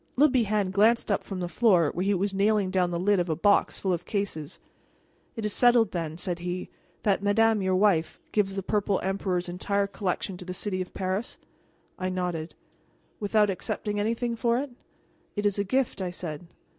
Le Bihan glanced up from the floor where he was nailing down the lid of a box full of cases. "It is settled, then," said he, "that madame, your wife, gives the Purple Emperor's entire Collection to the city of Paris?" I nodded. "Without accepting anything for it?" "It is a gift," I said.